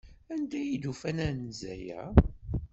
Anda ay d-ufan anza-a?